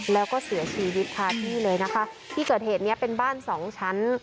แล้วก็เสียชีวิตคาที่เลยนะคะที่เกิดเหตุเนี้ยเป็นบ้านสองชั้น